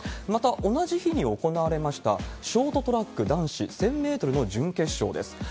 また、同じ日に行われましたショートトラック男子１０００メートルの準決勝です。